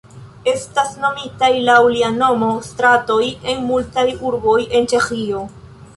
Estas nomitaj laŭ lia nomo stratoj en multaj urboj en Ĉeĥio.